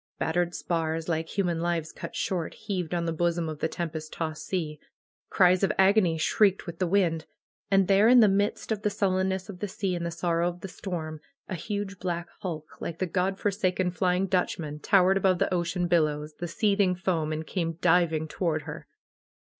Battered spars, like human lives cut short, heaved on the bosom of the tempest tossed sea. Cries of agony shrieked with the wind. And there in the midst of the sullenness of the sea, and the sorrow of the storm, a huge black hulk, like the God forsaken Flying Dutchman, towered above the ocean billows, the seething foam, and came diving to ward her.